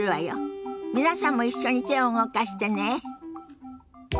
皆さんも一緒に手を動かしてね。